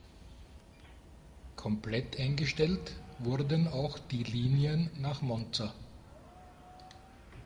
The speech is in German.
Komplett eingestellt wurden auch die Linien nach Monza.